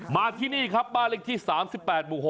มาที่นี่ครับบ้านเลขที่๓๘หมู่๖